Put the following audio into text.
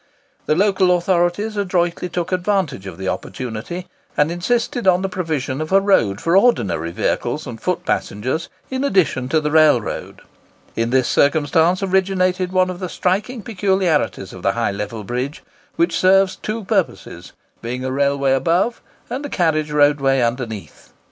The local authorities adroitly took advantage of the opportunity, and insisted on the provision of a road for ordinary vehicles and foot passengers in addition to the railroad. In this circumstance originated one of the striking peculiarities of the High Level Bridge, which serves two purposes, being a railway above and a carriage roadway underneath.